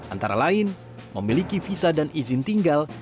antara lain memiliki visa dan izin tinggal